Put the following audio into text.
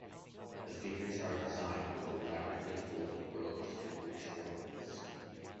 The figures are designed with elaborately folded robes and rich ornaments.